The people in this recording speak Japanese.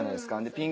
ピン